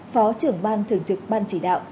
phó trưởng ban thường trực ban chỉ đạo